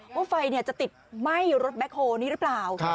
ว่าไฟเนี่ยจะติดไหม้รถแบคโฮล์นี่เปล่า